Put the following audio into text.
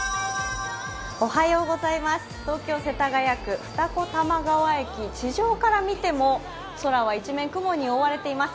東京・世田谷区二子玉川駅、地上から見ても空は一面、雲に覆われています。